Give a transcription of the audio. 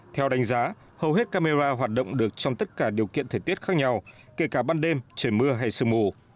theo đánh giá hầu hết camera hoạt động được trong tất cả điều kiện thời tiết khác nhau kể cả ban đêm trời mưa hay sương mù